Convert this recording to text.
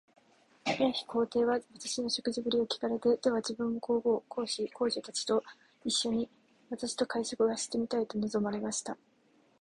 ある日、皇帝は私の食事振りを聞かれて、では自分も皇后、皇子、皇女たちと一しょに、私と会食がしてみたいと望まれました。